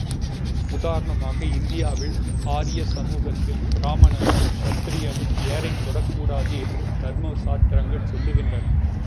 உதாரணமாக இந்தியாவில் ஆரிய சமூகத்தில் பிராமணனும், க்ஷத்திரியனும் ஏரைத் தொடக்கூடாது என்று தர்ம சாஸ்திரங்கள் சொல்லுகின்றன.